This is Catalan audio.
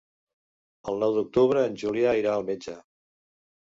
El nou d'octubre en Julià irà al metge.